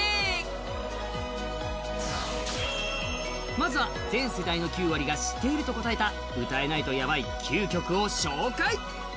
まずは全世代の９割が知っていると答えた、歌えないとヤバイ９曲を紹介。